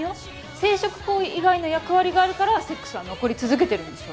生殖行為以外の役割があるからセックスは残り続けてるんでしょ